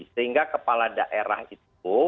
sehingga kepala daerah itu